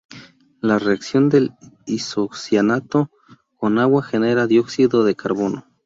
La reacción de isocianato con agua genera dióxido de carbono.